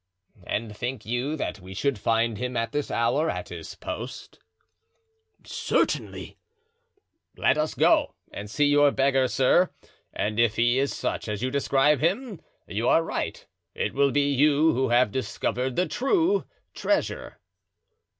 "And think you that we should find him at this hour at his post?" "Certainly." "Let us go and see your beggar, sir, and if he is such as you describe him, you are right—it will be you who have discovered the true treasure."